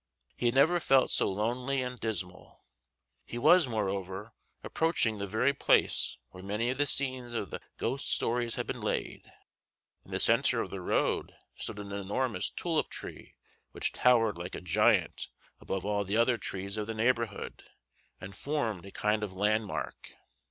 He had never felt so lonely and dismal. He was, moreover, approaching the very place where many of the scenes of the ghost stories had been laid. In the centre of the road stood an enormous tulip tree which towered like a giant above all the other trees of the neighborhood and formed a kind of landmark.